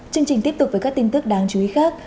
chương trình tiếp tục với các tin tức đáng chú ý khác